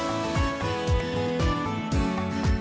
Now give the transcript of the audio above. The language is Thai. ช่วงนี้ภาพการร้อนอีกเดือนแต่มีเรื่องระเข้ากัน